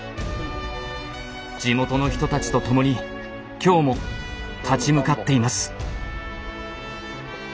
地元の人たちと共に今日も立ち向かっています。